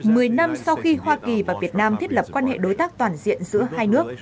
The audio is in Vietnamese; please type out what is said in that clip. mười năm sau khi hoa kỳ và việt nam thiết lập quan hệ đối tác toàn diện giữa hai nước